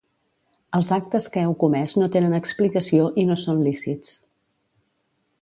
Els actes que heu comès no tenen explicació i no són lícits.